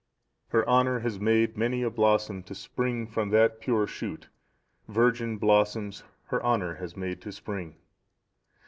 "Her honour has made many a blossom to spring from that pure shoot, virgin blossoms her honour has made to spring.